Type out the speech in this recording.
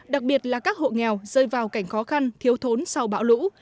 đặc biệt là các hộ nghèo rơi vào cảnh khó khăn thiếu thốn sau bão lũ